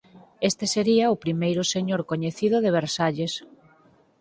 Este sería o primeiro señor coñecido de Versalles.